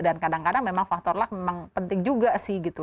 dan kadang kadang memang faktor lag memang penting juga sih gitu